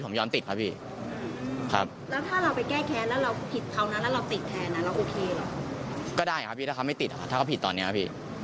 เหมือนจะให้ฝั่งนั้นกระถูกกับเมืองคดีการ